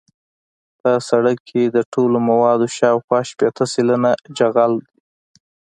په سرک کې د ټولو موادو شاوخوا شپیته سلنه جغل دی